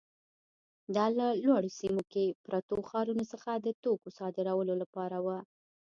دا له لوړو سیمو کې پرتو ښارونو څخه د توکو صادرولو لپاره وه.